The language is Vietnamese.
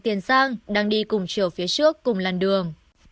tiền giang đang đi cùng chiều phía trước cùng làn đường